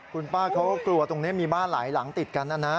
คุณป้าเขาก็กลัวตรงนี้มีบ้านหลายหลังติดกันนะนะ